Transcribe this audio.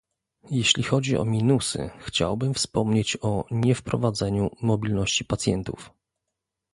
Jeśli chodzi o minusy, chciałbym wspomnieć o niewprowadzeniu mobilności pacjentów